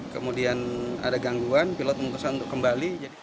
kemudian ada gangguan pilot memutuskan untuk kembali